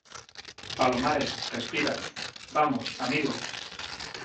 palomares , respira . vamos , amigo .